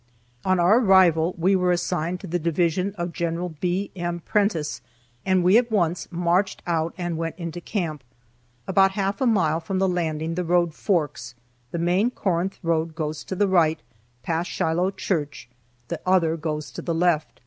On our arrival we were assigned to the division of General B. M. Prentiss, and we at once marched out and went into camp. About half a mile from the landing the road forks, the main Corinth road goes to the right, past Shiloh church, the other goes to the left.